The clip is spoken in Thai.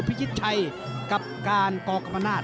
พิชิตชัยกับการกกรรมนาศ